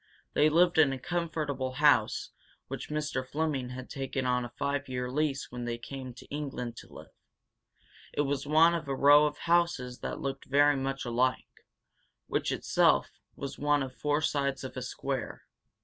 They lived in a comfortable house, which Mr. Fleming had taken on a five year lease when they came to England to live. It was one of a row of houses that looked very much alike, which, itself, was one of four sides of a square.